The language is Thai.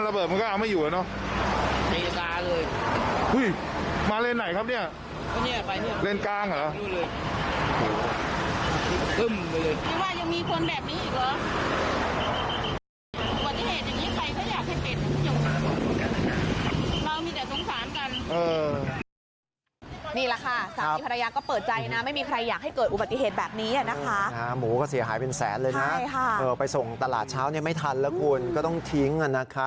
เรามีแต่ตรงสามกัน